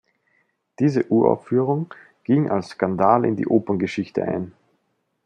Diese Uraufführung ging als Skandal in die Operngeschichte ein.